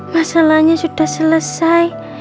masalahnya sudah selesai